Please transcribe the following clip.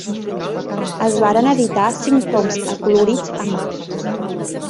Es varen editar cinc toms acolorits a mà.